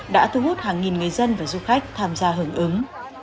đã thu hút hàng nghìn người dân và du khách tham gia hưởng ứng